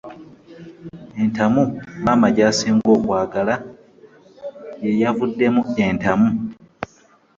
Entamu Maama gy'asinga okwagala ye yavuddemu entamu.